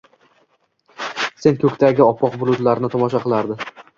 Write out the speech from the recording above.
Koʻkdagi oppoq bulutlarni tomosha qilardi.